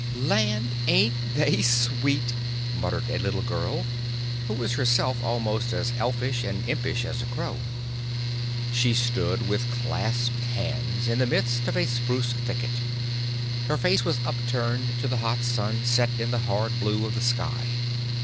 "Land! ain't they sweet!" muttered a little girl, who was herself almost as elfish and impish as a crow. She stood with clasped hands in the midst of a spruce thicket. Her face was upturned to the hot sun set in the hard blue of the sky.